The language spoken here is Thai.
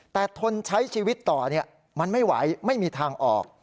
แต่ทนใช้ชีวิตต่อมันไม่ไหวไม่มีทางออก